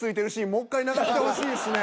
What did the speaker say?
もう１回流してほしいですね。